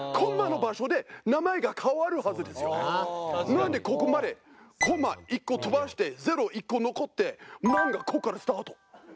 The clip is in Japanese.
なんでここまでコンマ１個飛ばして０１個残って万がここからスタート？